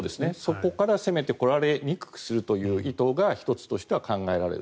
そこから攻めてこられにくくするという意図が１つとして考えられる。